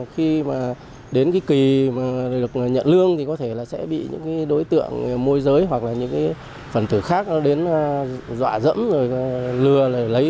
khi mà đến cái kỳ mà được nhận lương thì có thể là sẽ bị những đối tượng môi giới hoặc là những cái phần tử khác nó đến dọa dẫm rồi lừa lấy